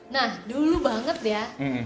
nah dulu banget ya